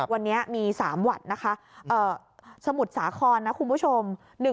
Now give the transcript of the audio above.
วันนี้มี๓หวัดนะคะสมุทรสาครนะคุณผู้ชม